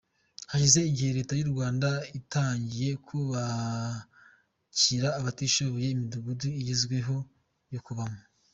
Hashize igihe Leta y’ u Rwanda itangiye kubakira abatishoboye imidugudu igezweho yo kubamo.